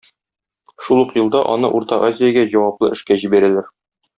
Шул ук елда аны Урта Азиягә җаваплы эшкә җибәрәләр.